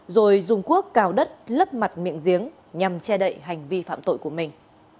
rồi dùng cuốc cào đất lấp mặt miệng giếng nhằm che đậy hành vi phạm tội của mình